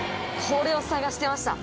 これを探してた？